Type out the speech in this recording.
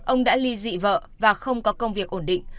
ông đã ly dị vợ và không có công việc ổn định